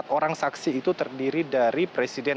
empat orang saksi itu terdiri dari presiden